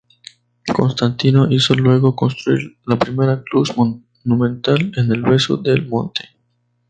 Constantino hizo luego construir la primera cruz monumental en el beso del monte.